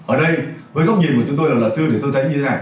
ở đây với góc nhìn của chúng tôi là lạc sư thì tôi thấy như thế này